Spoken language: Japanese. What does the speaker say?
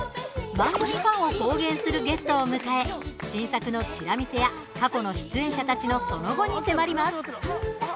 番組ファンを公言するゲストを迎え新作のちら見せや、過去の出演者たちのその後に迫ります。